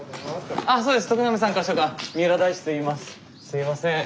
すいません。